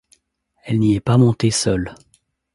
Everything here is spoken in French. Elle n’y est pas montée seule.